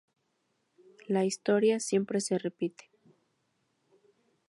La Historia siempre se repite